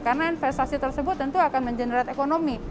karena investasi tersebut tentu akan mengeneratekonomi